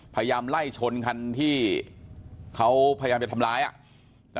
พยายามไล่ชนคันที่เขาพยายามจะทำร้ายอ่ะ